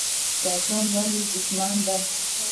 شیطان ولې دښمن دی؟